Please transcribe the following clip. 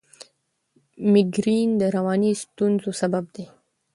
مېګرین د رواني ستونزو سبب دی.